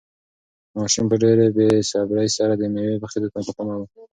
ماشوم په ډېرې بې صبري سره د مېوې پخېدو ته په تمه و.